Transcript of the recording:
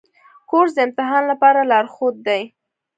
کورس د امتحان لپاره لارښود دی.